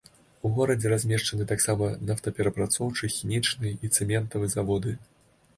У горадзе размешчаны таксама нафтаперапрацоўчы, хімічны і цэментавы заводы.